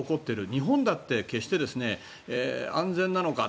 日本だって安全なのか